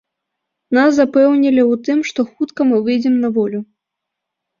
Нас запэўнілі ў тым, што хутка мы выйдзем на волю.